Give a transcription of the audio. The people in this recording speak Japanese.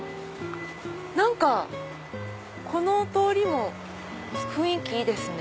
何かこの通りも雰囲気いいですね。